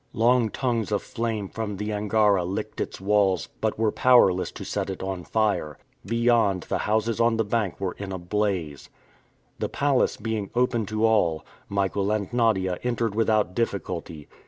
Long tongues of flame from the Angara licked its walls, but were powerless to set it on fire. Beyond the houses on the bank were in a blaze. The palace being open to all, Michael and Nadia entered without difficulty.